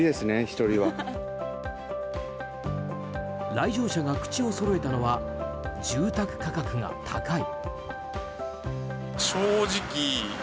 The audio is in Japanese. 来場者が口をそろえたのは住宅価格が高い。